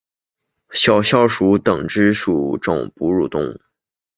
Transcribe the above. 小啸鼠属等之数种哺乳动物。